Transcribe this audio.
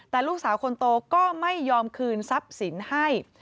แต่ลูกสาวคนโตก็ไม่ยอมคืนทรัพย์สินให้